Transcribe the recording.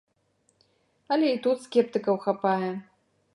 Але і тут скептыкаў хапае.